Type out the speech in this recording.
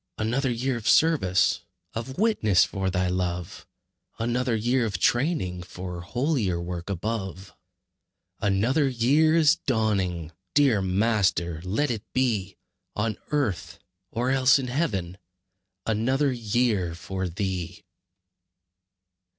Another year of service, Of witness for Thy love; Another year of training For holier work above. Another year is dawning! Dear Master, let it be On earth, or else in heaven, Another year for Thee!